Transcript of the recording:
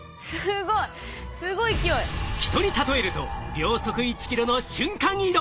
ヒトに例えると秒速１キロの瞬間移動。